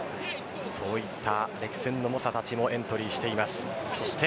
そういった歴戦の猛者たちもエントリーしています。